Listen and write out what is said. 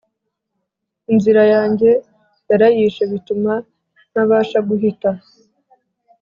inzira yanjye yarayishe bituma ntabasha guhita